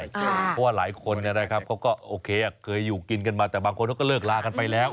เพราะว่าหลายคนนะครับเขาก็โอเคเคยอยู่กินกันมาแต่บางคนเขาก็เลิกลากันไปแล้ว